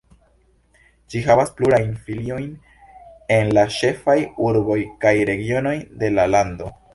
Ĝi havas plurajn filiojn en la ĉefaj urboj kaj regionoj de la lando.